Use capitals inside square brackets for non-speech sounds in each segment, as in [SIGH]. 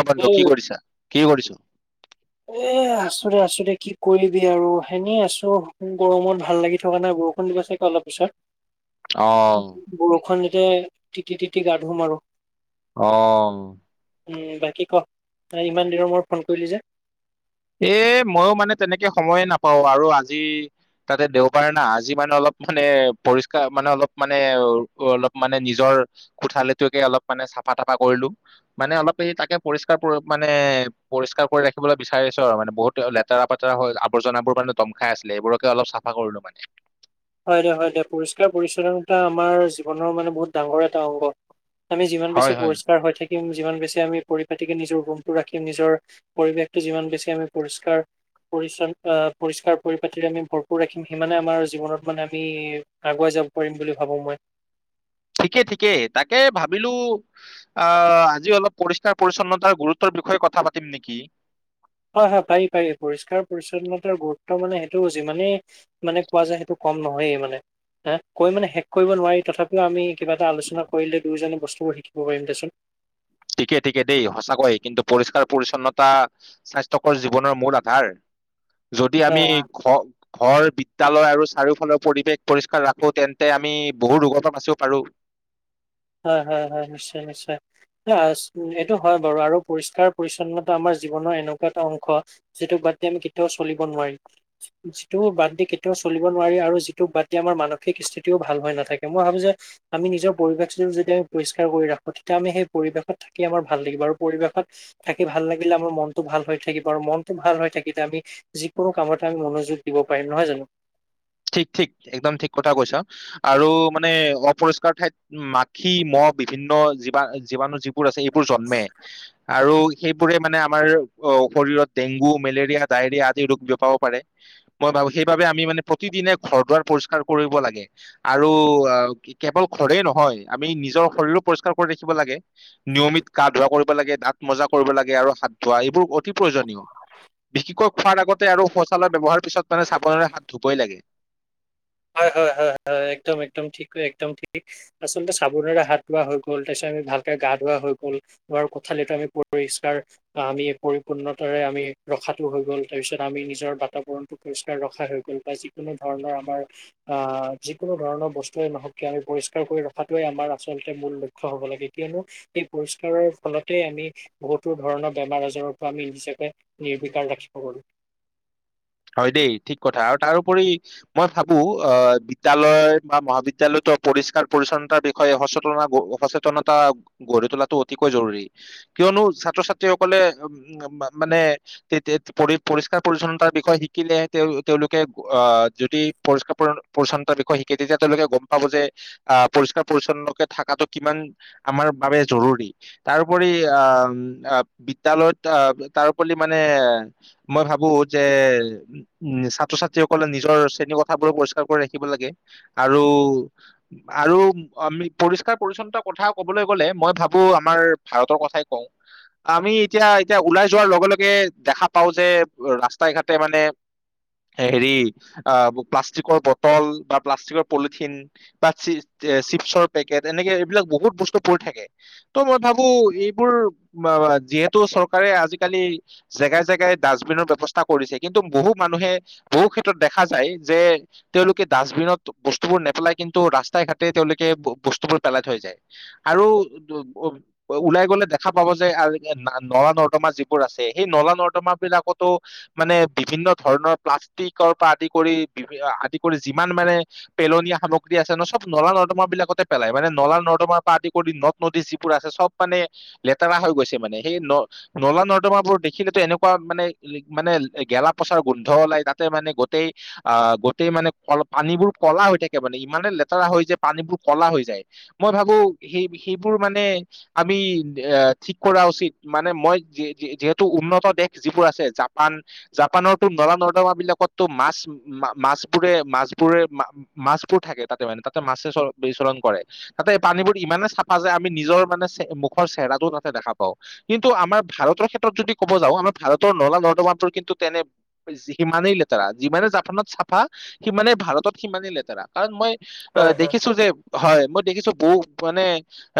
অ বান্ধু কি উম, কৰিছা কি কৰিছো [UNINTELLIGIBLE] এ আছো দে আছো দে কি কৰিবি আৰু সেনে আছো গৰমত ভাল লাগি থকা নাই বৰষুণ দিব চাগে অলপ অহ পিছত বৰষুণ যে তিতি তিতি গা ধোম আৰু অ উম বাকী ক ইমান দিনৰ মূৰত ফোন কৰিলি যে এ ময়ো মানে তেনেকে সময়ে নাপাও আৰু আজি তাতে দেওবাৰে না আজি মানে অলপ মানে পৰিষ্কাৰ মানে অলপ মানে অলপ মানে নিজৰ খোঠালিটোকে অলপ মানে চাফা তাফা কৰিলো মানে অলপ এই তাকে পৰিষ্কাৰ পৰি মানে পৰিষ্কাৰ কৰি ৰাখিবলৈ বিচাৰ খাই আছো আৰু মানে বহুত লেতেৰা পেতেৰা হৈ আৱৰ্জনাবোৰ মানে দম খাই আছিলে, এইবোৰকে অলপ ছাফা কৰিলো মানে। হয় দে হয় দে পৰিষ্কাৰ পৰিচ্ছন্নতা আমাৰ জীৱনৰ মানে বহুত ডাঙৰ এটা অংগ। আমি যিমান বেছি হয় হয় পৰিস্কাৰ হৈ থা কিম যিমান বেছি আমি পৰিপাটিকে নিজৰ ৰুমটো ৰাখিম নিজৰ পৰিৱেশতটো যিমান বেছি আমি পৰিষ্কাৰ পৰিচ্ছন্ন আহ পৰিষ্কাৰ পৰিপাতিৰে আমি ভৰপূৰ ৰাখিম সিমানে আমাৰ জীৱনত মানে আমি আগুৱাই যাব পাৰিম বুলি ভাবো মই। ঠিকেই ঠিকেই তাকে ভাবিলো আহ আজি অলপ পৰিষ্কাৰ পৰিচ্ছন্নতাৰ গুৰুত্বৰ বিষয়ে কথা পাতিম নেকি! হয় হয় পাৰি পাৰি পৰিষ্কাৰ পৰিচ্ছন্নতাৰ গুৰুত্ব মানে সেইটো যিমানেই মানে কোৱা যায় সেইটো কম নহয়েই মানে হ কৈ মানে শেষ কৰিব নোৱাৰি তথাপিও আমি কিবা এটা আলোচনা কৰিলে দুয়োজনে বস্তুবোৰ শিকিব পাৰিম দেচোন। ঠিকে ঠিকে দেই সঁচাকয় কিন্তু পৰিষ্কাৰ পৰিচ্ছন্নতা স্বাস্থ্যকৰ জীৱনৰ মূল আধাৰ। যদি আমি হয়, ঘ। ঘৰ বিদ্যালয় আৰু চাৰিওফালৰ পৰিৱেশ পৰিষ্কাৰ ৰাখো তেন্তে আমি বহু ৰোগৰ পৰা বাচিব পাৰো। হয় হয় হয় নিশ্চয় নিশ্চয় এইটো হয় বাৰু আৰু পৰিষ্কাৰ পৰিচ্ছন্নতা আমাৰ জীৱনৰ এনেকুৱা এটা অংশ যিটোোক বাদ দি আমি কেতিয়াও চলিব নোৱাৰি যিটো বাদ দি কেতিয়াও চলিব নোৱাৰি আৰু যিটো বাদ দিয় আমাৰ মানসিক স্থিতিও ভাল হৈ নাথাকে মই ভাবো যে আমি নিজৰ পৰিৱেশ। যদি আমি পৰিষ্কাৰ কৰি ৰাখো তেতিয়া আমি সেই পৰিৱেশত থাকি আমাৰ ভাল লাগিব আৰু পৰিৱেশত থাকি ভাল লাগিলে আমাৰ মনটো ভাল হৈ থাকিব আৰু মনটো ভাল হৈ থাকিলে আমি যিকোনো কামতে আমি মনোযোগ দিব পাৰিম নহয় জানো। ঠিক ঠিক একদম ঠিক কথা কৈছ আৰু মানে অপৰিষ্কাৰ ঠাইত মাখি মহ বিভিন্ন জীবা - জীৱাণু। বোৰ আছে এইবোৰ জন্মে আৰু। সেইবোৰে মানে আমাৰ অ শৰীৰত ডেংগু, মেলেৰিয়া, ডায়ৰিয়া আদি ৰোগ বপাব পাৰে মই ভাবো সেইবাবে আমি মানে। প্ৰতিদিনে ঘৰ দুৱাৰ পৰিষ্কাৰ কৰিব লাগে আৰু কেৱল ঘৰে নহয় আমি নিজৰ শৰীৰো পৰিষ্কাৰ কৰি ৰাখিব লাগে নিয়মিত গা ধোৱা কৰিব লাগে দাঁত মজা কৰিব লাগে আৰু হাত ধোৱা এইবোৰ। অতিপ্ৰয়োজনীয় বিশেষিকৈ খোৱাৰ আগত। আৰু শৌচালয় ব্যৱহাৰ পিছত মানে চাবনেৰে হাত। ধুবই লাগে। হয় হয় হয় হয় হয় একদম একদম ঠিক একদম ঠিক আচলতে চাবোনেৰে হাত ধোৱা হৈ গ'ল তাৰপিছত আমি ভালকে গা ধোৱাা হৈ গল আমাৰ কোঠালিো আমি পৰিষ্কাৰ আমি পৰিপূৰ্ণতাৰে আমি ৰখাো হৈ গ'ল তাৰপিছত আমি নিজৰ বাতাবৰণটো পৰিসকাৰ ৰখা হৈ গল বা যিকোনো ধৰণৰ আমাৰ। আহ যিকোনো ধৰণৰ বস্তুৱে নহওক আমি পৰিষ্কাৰ কৰি ৰখাটোৱে আমাৰ আচলতে মূল লক্ষ্য হব লাগে কিয়নো এই পৰিষ্কাৰৰ ফলতেই আমি বহুতো ধৰণৰ বেমাৰ আজাৰৰ পৰা আমি নিজকে নিৰ্বিকাৰ ৰাখিব পাৰো। হয় দেই ঠিক কথা আৰু তাৰোপৰি মই ভাবো আহ বিদ্যালয় বা মহাবিদ্যালয় পৰিষ্কাৰ পৰিচ্ছন্নতাৰ বিষয়ে সচেতন সচেতনতা গঢ়ি তোলাটো অতিকৈ জৰুৰী কিয়নো ছাত্ৰ ছাত্ৰীসকলে উ মানে তে পৰি পৰিষ্কাৰ পৰি্ছন্নতা। বিষয় শিকিলে তেওঁ তেওঁলোকে আহ যদি পৰিষ্কাৰ পৰি্ছন্নতাৰ বিষয় শিকে তেতিয়া তেওঁলোকে গম পাব যে আহ পৰিষ্কাৰ পৰিচ্ছন্নকে থকাটো কিমান আমাৰ বাবে জৰুৰী তাৰোপৰি আহ বিদ্যালয়ত আহ তাৰোপ মানে মই ভাবো। যে উম ছাত্ৰ ছাত্ৰীসকলে নিজৰ শ্ৰেণী কথাবোৰো পৰিষ্কাৰ কৰি ৰাখিব লাগে আৰু আৰু আমি পৰিষ্কাৰ পৰি্ছন্নতাৰ কথা কবলৈ গলে মই ভাবো আমাৰ ভাৰতৰ কথাই কওঁ আমি এতিয়া এতিয়া ওলাই যোৱাৰ লগে লগে দেখা পাও যে ৰা--। স্তাই ঘতে মানে হেৰি প্লাষ্টিকৰ বটল বা প্লাষ্টিকৰ পলিথিন বা চ চিপছৰ পেকেট এনেকে এইবিলাক বহুত বস্তু পৰি থাকে ত' মই ভাবো এইবোৰ যিহেতু চৰকাৰে আজিকালি জেগাই জেগাই ডাষ্টবিনৰ ব্যৱস্থা। কৰিছে কিন্তু বহু মানুহে বহু ক্ষেত্ৰত দেখা যায় যে তেওঁলোকে ডাষ্টবিনত বস্তুবোৰ নেপেলাই কিন্তু ৰাস্তাই ঘাটেই তেওঁলোকে বস্তুবোৰ পেলাই থৈ যায় আৰু ওলাই গলে দেখা পাব যে নলা নৰ্দমা যিবোৰ আছে সেই নলা নৰ্দমা বিলাকতো। মানে বিভিন্ন ধৰণৰ প্লাষ্টিকৰ পৰা আদি কৰি আদি কৰি যিমান মানে পেলনীয়া সামগ্ৰী আছে ন চব নলা নৰ্দমা বিলাকতে পেলাই মানে নলা নৰ্দমাৰ পৰা আদি কৰি নৰ্থ নৰ্থ ইষ্ট যিবোৰ আছে চব মানে লেতেৰা হৈ গৈছে মানে সেই ন নলা নৰ্দমাবোৰ দেখিলেতো এনেকুৱা মানে মানে। গেলা পচাৰ গোন্ধ ওলাই তাতে মানে গোটেই আহ গোতেই মানে পানীবোৰ কলা হৈ থাকে মানে ইমানে লেতেৰা হৈ যে পানীবোৰ কলা হৈ যায় মই ভাবো সেই সেইবোৰ মানে আমি এ ঠিক কৰা উচিত মানে মই যিহেতু উন্নত দেশ যিবোৰ আছে জাপান। জাপানৰো নলা নৰ্দমা বিলাকতো মাছ মাছবোৰে মাছবোৰে মাছবোৰ থাকে তাতে মানে তাতে মাছে বিচলন কৰে তাতে পানীবোৰ ইমানে চাফা যে আমি নিজৰ মানে মুখৰ চেহেৰাটো তাতে দেখা পাওঁ কিন্তু আমাৰ ভাৰতৰ ক্ষেত্ৰত যদি ক'ব যাওঁ আমাৰ ভাৰতৰ নলা নৰ্দমোৰ কিন্তু। তেনে সিমানেই লেতেৰা যিমানে জাপানত চাফা সিমানেই ভাৰতত সিমানেই লেতেৰা কাৰণ মই। অ হয় হয় দেখিছো যে, । হয় মই দেখিছো বহু মানে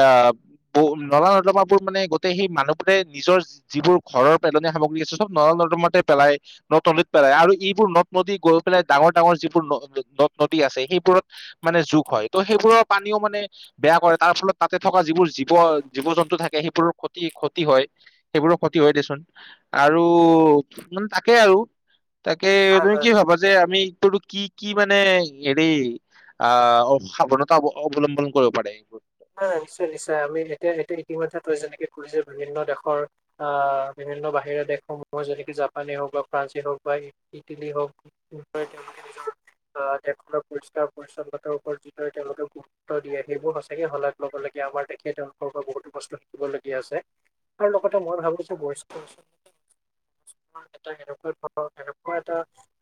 আহ ব নলা নৰ্দমাবোৰ মানে গোটেই সেই মানুহবোৰে নিজৰ যিবোৰ ঘৰৰ পেলনীয়া সামগ্ৰী আছে চব নলা নৰ্দমাতে। পেলাই নদ নদীত পেলাই আৰু এইবোৰ নদ নদী গৈ পেলাই ডাঙৰ ডাঙৰ যিবোৰ নদ নদী আছে সেইবোৰত মানে যোগ হয় ত' সেইবোৰৰ পানীও মানে বেয়া কৰে তাৰ ফলত তাতে থকা যিবোৰ জীৱ জীৱ জন্তু থাকে সেইবোৰৰ ক্ষতি ক্ষতি হয় সেইবোৰৰ ক্ষতি হয় দেচোন আৰু। মান তাকেই আৰু। তাকে হয় হয় তুমি কি ভাবা যে আমি। টো কি কি মানে হেৰি আহ সাৱানতা অৱলম্বন কৰিব পাৰে এইবোৰ। নিশ্চয় নিশ্চয় আমি এতিয়া এতিয়া ইতিমধ্যে তই যেনেকে কৈ যে বিভিন্ন দেশৰ আহ বিভিন্ন বাহিৰা দেশসমূহৰ যেনেকে জাপানেই হওক বা ফ্ৰান্সে হওক বা ইটালী হওকদৰে তেওঁলোকে নিজৰ আহ দেশখনৰ পৰিষ্কাৰ পৰি্ছন্নতাৰ ওপৰত যিদৰে তেওঁলোকক গুৰুত্ব দিয়ে সেইবোৰ সচ--। তাকে শলাগ লবলীয়া আমাৰ তেখে তেওঁলোকৰ পৰা বহুতো বস্তু শিকিবলগীয়া আছে আৰু লগতে মই ভাবো যে বয় এটা এনেকুৱা ধৰ এনেকুৱা এটা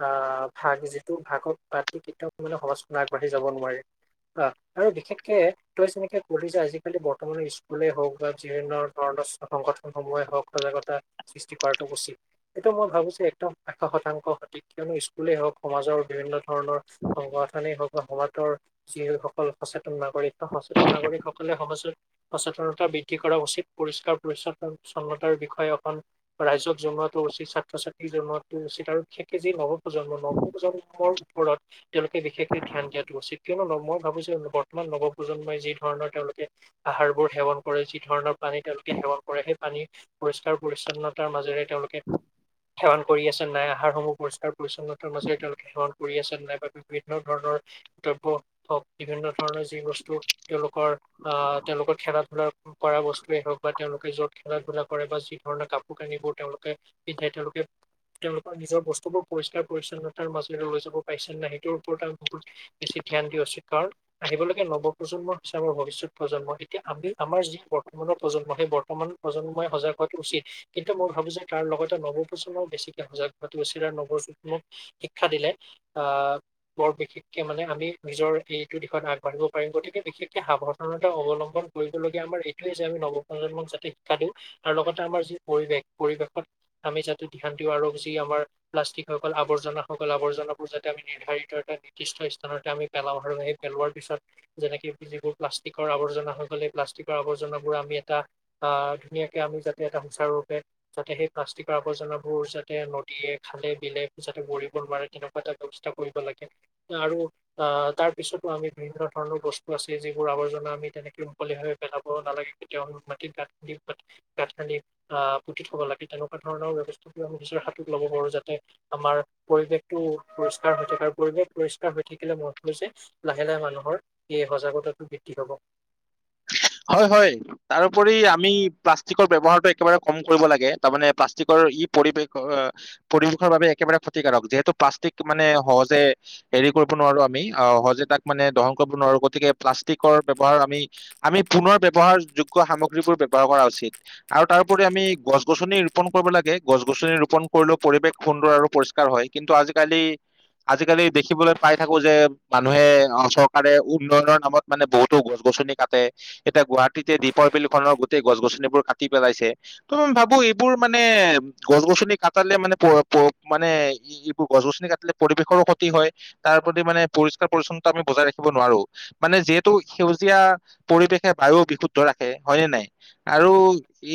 আহ ভাগ যিটো ভাগক বাদ কেতিয়াও মানে সমহাজখন আগবাঢ়ি যাব নোৱাৰে আহ আৰু বিশেষকে। তই যেনেকে ক'লি যে আজিকালি বৰ্তমানৰ স্কুলে হওক বা বিভিন্ন ধৰণৰ সংগঠনসমূহে হওক সজাগতা সৃষ্টি কৰাটো উচিত এইটো মই ভাবো যে একদম এশ শতাংশ সঠিক কিয়নো স্কুলেই হওক সমাজৰ বিভিন্ন। ধৰণৰ সংগথনে হওক। সমতৰ যিসকল সচেতন নাগৰিক। সচেতন নাগৰিক সকলে সমাজত সচেতনতা বৃদ্ধি কৰা উচিত পৰিষ্কাৰ পৰি্ছন্নছন্নতাৰ বিষয়ে অখন ৰাইজক জনোৱাাতো উচিত ছাত্ৰ ছাত্ৰী জনোৱাতো উচিত আৰু বিশেষকে যি নৱপ্ৰজন্ম নৱপ্ৰজন্মৰ ওপৰত তেওঁলোকে বিশেষকে ধ্যান দিয়াাতটো উচিত কিয়নো মই ভাবো যে বৰ্তমান নৱ--। প্ৰজন্মাই যি ধৰণৰ তেওঁলোকে আহাৰ বোৰ সেৱন কৰে যি ধৰণৰ পানী তেওঁলোকে সেৱন কৰে সেই পানী পৰিষ্কাৰ পৰি্ছন্নতাৰ মাজেৰে তেওঁলোকে সেৱন কৰি আছে নাই আহাৰসমূহ পৰিষ্কাৰ পৰি্ছন্নতাৰ মাজেৰে তেওঁলোকে সেৱন কৰি আছে নাই বিভিন্ন ধৰণৰ্ হওক বিভিন্ন ধৰণৰ যি বস্তু। তেওঁলোকৰ আঁহ তেওঁলোকৰ খেলা- ধূলা কৰা বস্তু য়ে হওঁক বা' তেওঁলোকে য'ত খেলা- ধূলা কৰে। বা' যি ধৰণৰ কাপোৰ- কানিবোৰ তেওঁলোকে পিন্ধাই তেওঁলোকে, তেওঁলোকৰ নিজৰ বস্তুবোৰ পৰিষ্কাৰ- পৰিচ্ছন্নতাৰ মাজেৰে লৈ যাব পাইছে নে নাই, সেইটোৰ ওপৰত বহুত বেছি ধ্যান দিয়া উচিত। কাৰণ আহিব লগিয়া নব-। প্ৰজন্মই হৈছে আমাৰ ভৱিষ্যত প্ৰজন্ম। এতিয়া আমি আমাৰ যি বৰ্তমানৰ প্ৰজন্ম, সেই বৰ্তমান প্ৰজন্মই সজাগ হোৱাটো উচিত। কিন্তু মই ভাবো যে তাৰ লগতে নব-প্ৰজন্মই বেছিকৈ সজাগ হোৱাটো উচিত। আৰু নব-প্ৰজন্মক শিক্ষা দিলে আঁহ বৰ- বিশেষকে মানে, আমি নিজৰ এইটো দিশত আগবঢ়িব পাৰিম। গতিকে- বিশেষকে সাৱধানতা অৱলম্বন কৰিবলগীয়া আমাৰ এইটোয়ে যে আমি নবপ্ৰজন্মক যাতে শিক্ষা দিওঁ। আৰু লগতে আমাৰ যি পৰিৱেশ, পৰিৱেশত আমি যাতে ধ্যান দিওঁ। আৰু যি আমাৰ প্লাষ্টিক সকল, আৱৰ্জনাসকল, আৱৰ্জনাবোৰ যাতে আমি নিৰ্ধাৰিত এটা নিৰ্দিষ্ট স্থানতে আমি পেলাওঁ। আৰু সেই পেলোৱাৰ পিছত-। যেনেকে যিবোৰ প্লাষ্টিকৰ আৱৰ্জনা হৈ গ'লে। সেই প্লাষ্টিকৰ আৱৰ্জনাবোৰ আমি এটা আঁহ ধুনীয়াকে আমি যাতে এটা সুচাৰুৰূপে যাতে, সেই প্লাষ্টিকৰ আৱৰ্জনাবোৰ যাতে, নদীয়ে, খালে, বিলে যাতে, একো যাতে কৰিব নোৱাৰে তেনেকুৱা এটা ব্যৱস্থা কৰিব লাগে। আৰু আঁহ তাৰ পিছতো আমি বিভিন্ন-। ধৰণৰ বস্তু আছে। যিবোৰ আৱৰ্জনা আমি তেনেকে মুকলিভাৱে পেলাব নালাগে। কেতিয়াও মাটি'ত গাত খান্দি, গাত খান্দি আঁহ পুতি থব লাগে। তেনেকুৱা ধৰণৰ ব্যৱস্থা আমি নিজৰ হাতত ল'ব পাৰো। যাতে আমাৰ পৰিৱেশটো পৰিষ্কাৰ হৈ থাকে, আৰু পৰিৱেশ পৰিষ্কাৰ হৈ থাকিলে মই ভাবো যে' লাহে, লাহে মানুহৰ-। সেয়ে সজাগতা টো বৃদ্ধি হব। হয়, হয়। তাৰো ওপৰি আমি প্লাষ্টিকৰ ব্যৱহাৰ টো একেবাৰে ক'ম কৰিব লাগে। তাৰমানে প্লাষ্টিকৰ ই' পৰিৱেশ, পৰিৱেশৰ বাবে একেবাৰে ক্ষতিকাৰক। যিহেতু প্লাষ্টিক মানে সহজে হেৰি কৰিব নোৱাৰো। আমি আঁহ সহজে তাক মানে দহন কৰিব নোৱাৰো, গতিকে প্লাষ্টিকৰ ব্যৱহাৰ আমি- আমি পুনৰ ব্যৱহাৰ যোগ্য সামগ্ৰীবোৰ ব্যৱহাৰ কৰা উচিত। আৰু তাৰোপৰি আমি গছ-গছনি ৰোপন কৰিব লাগে, গছ- গছনি ৰোপন কৰিলেও পৰিৱেশ সুন্দৰ আৰু পৰিষ্কাৰ হয়। কিন্তু আজিকালি, আজিকালি দেখিবলৈ পাই থাকো যে' মানুহে চৰকাৰে উন্নয়নৰ নামত মানে বহুতো গছ-গছনি কাটে। এতিয়া গুৱাহাটীতে দিপৰ বিল খনৰ গোটেই গছ-গছনিবোৰ কাটি পেলাইছে। ত' মই ভাবো এইবোৰ মানে গছ-গছনি কাটিলে মানে, মানে এইবোৰ গছ- গছনি কাটিলে পৰিৱেশৰো ক্ষতি হয়। তাৰ প্ৰতি মানে পৰিষ্কাৰ পৰিচ্ছন্নতা আমি বজাই ৰাখিব নোৱাৰো, মানে যিহেতু সেউজীয়া। পৰিৱেশে বায়ুও বিশুদ্ধ ৰাখে, হয়নে নাই? আৰু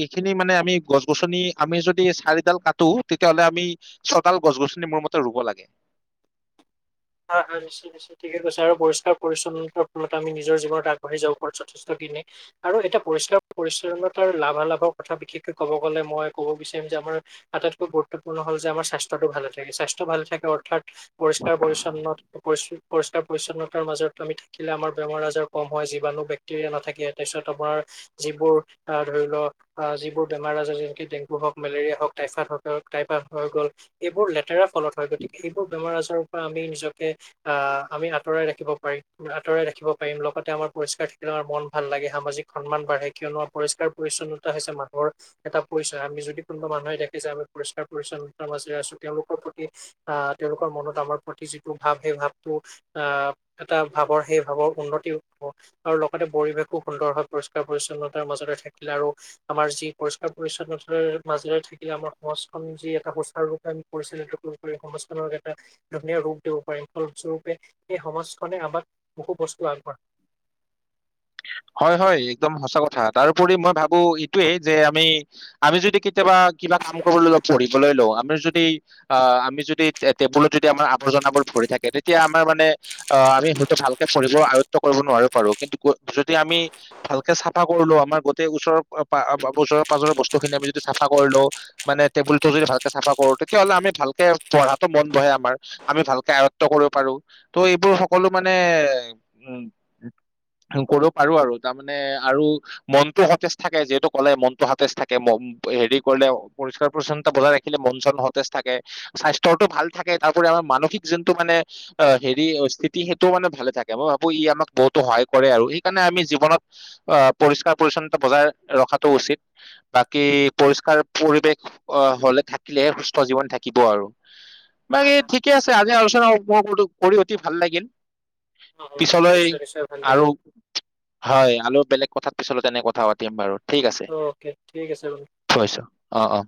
এইখিনি মানে আমি- গছ-গছনি আমি যদি চাৰিডাল কাটো। তেতিয়া হ'লে আমি ছাৰিডাল গছ-গছনি মোৰ মতে ৰুব লাগে। আঁহ নিশ্চয়, নিশ্চয় ঠিকে কৈছে। আৰু পৰিষ্কাৰ- পৰিচ্ছন্নতাৰ ফলত আমি নিজৰ জীৱনত আগবাঢ়ি যাব পাৰো। যথেষ্ট দিনে আৰু এতিয়া পৰিষ্কাৰ- পৰিচ্ছন্নতাৰ লাভা-লাভৰ কথা বিশেষকৈ কব গ'লে, মই ক'ব বিচাৰিম। যে আমাৰ আটাইতকৈ গুৰুত্বপূৰ্ণ হ'ল যে আমাৰ স্বাস্থ্যটো ভালে থাকে, স্বাস্থ্য ভালে থাকে। অৰ্থাৎ- পৰিষ্কাৰ- পৰিচ্ছন্নতাৰ- উন্নত পৰিছ তিতিলৈ- পৰিষ্কাৰ- পৰিচ্ছন্নতাৰ মাজতো আমি থাকিলে, আমাৰ বেমাৰ- আজাৰ কম হয়, জিবাণু, বেক্টেৰিয়া নাথাকে। তাৰপিছত আপোনাৰ যিবোৰ আঁহ ধৰি লোৱা, আঁহ যিবোৰ বেমাৰ- আজাৰ যেনেকে 'ডেংগু' হওঁক, মেলেৰিয়া হওঁক, টাইফাইড হওঁক, টাইফাইড হৈ গ'ল। এইবোৰ লেতেৰা- ফলত হয়। গতিকে এইবোৰ বেমাৰ- আজাৰ'ৰ পৰা আমি- আঁহ আমি আঁতৰাই ৰাখিব পাৰিম, আঁতৰাই ৰাখিব পাৰিম। লগতে আমাৰ পৰিষ্কাৰ থাকিলে আমাৰ মন ভাল লাগে, সামাজিক সন্মান বাঢ়ে। কিয়নো পৰিষ্কাৰ- পৰিচ্ছন্নতা হৈছে মানুহৰ এটা পৰিচয়। আমি যদি কোনোবা মানুহে দেখিছে যে আমি পৰিষ্কাৰ- পৰিচ্ছন্নতাৰ মাজেৰে আছো। তেওঁলোকৰ প্ৰতি আঁহ তেওঁলোকৰ মনত আমাৰ প্ৰতি যি- ভাৱ, সেই ভাৱটো আঁহ এটা ভাৱৰ, সেই ভাৱৰ উন্নতি হওঁক আৰু লগতে পৰিৱেশো সুন্দৰ হয়। পৰিষ্কাৰ- পৰিচ্ছন্নতাৰ মাজৰে থাকিলে, আৰু আমাৰ যি পৰিষ্কাৰ- পৰি্ছন্নতাৰ মাজেৰে থাকিলে। আমাৰ সমাজখন যি এটা সুচাৰু ৰূপে আমি পৰিচালি'ত কৰিব পাৰি। সমাজখনক এটা ধুনীয়া ৰূপ- পে পাৰি। ফলস্বৰূপে এই সমাজখনে আমাক বহু বস্তু আগবঢ়ায়- হয়, হয় একদম সঁচা কথা। তাৰপৰি মই ভাবো এইটোয়েই যে' আমি, আমি যদি কেতিয়াবা কিবা কাম কৰিবলৈ লওঁ, পঢ়িবলৈ লওঁ, আমি যদি আঁহ আমি যদি, টেবুলত যদি আমাৰ আৱৰ্জনাবোৰ ভৰি থাকে। তেতিয়া আমাৰ মানে, আমি হয়তো ভালকে পঢ়িব আয়ত্ব কৰিব নোৱাৰিব পাৰো। কিন্তু- যদি আমি ভালকৈ চাফা কৰি লওঁ, আমাৰ গোটেই ওচৰৰ, ওচৰে-পাজৰে বস্তু খিনি আমি চাফা কৰি লওঁ। মানে টেবুলটো যদি ভালকে চাফা কৰো তেতিয়া হলে আমি ভালকে পঢ়াত টো মন নবহে। আমাৰ আমি ভালকে আয়ত্ব কৰিব পাৰো। ত' এইবোৰ সকলো মানে উম' কৰিব পাৰো আৰু, তাৰমানে আৰু মন টো সতেজ থাকে। যিহেতু কলে মন টো সতেজ থাকে, হেৰি কৰিলে পৰিষ্কাৰ- পৰিচ্ছন্নতা বজাই ৰাখিলে মন- চন সতেজ থাকে। স্বাস্থ্যটো ভালে থাকে। তাৰ উপৰি আমাৰ মানসিক যোন টো মানে আঁহ হেৰি স্থিতি সেইটোও মানে ভালে থাকে। মই ভাবো ই' আমাক বহুতো সহায়- কৰে আৰু। সেইকাৰণে আমি জীৱনত আঁহ পৰিষ্কাৰ- পৰি্ছন্নতা বজাই ৰখাতটো উচিত। বাকী পৰিষ্কাৰ, পৰিৱেশ হৈ থাকিলেহে সুস্থ জীৱন থাকিব আৰু। বাকী ঠিকে আছে। আজি আলোচনা- মোৰত কৰি অতি ভাল লাগিল। নিশ্চয় পিছলৈ- নিশ্চয় ভাল লাগে আৰু, হয়। আৰু বেলেগ কথাত- পিছত এনেকুৱা কথা পাতিম বাৰু। ঠিক আছে। অকে ঠিক আছে বন্ধু থৈছো। অঁ, অঁ।